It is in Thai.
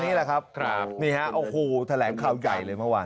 นี่ครับเอาครูแถลงคลาวใหญ่เลยเมื่อวาน